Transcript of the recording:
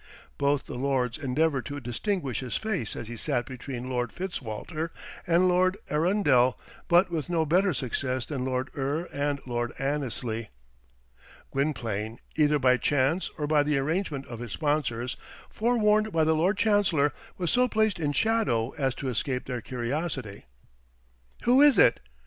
Both the lords endeavoured to distinguish his face as he sat between Lord Fitzwalter and Lord Arundel, but with no better success than Lord Eure and Lord Annesley. Gwynplaine, either by chance or by the arrangement of his sponsors, forewarned by the Lord Chancellor, was so placed in shadow as to escape their curiosity. "Who is it?